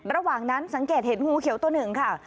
ระหว่างนั้นสังเกตเห็นงูเขียวตัวหนึ่งค่ะ